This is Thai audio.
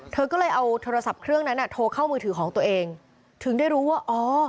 เธอก็เลยเอาโทรศัพท์เครื่องนั้นอ่ะโทรเข้ามือถือของตัวเองถึงได้รู้ว่าอ๋อ